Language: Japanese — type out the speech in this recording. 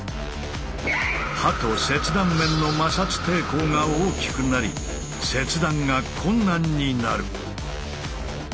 刃と切断面の摩擦抵抗が大きくなり切断が困難になる。